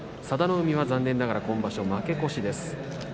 佐田の海、残念ながら今場所は負け越しです。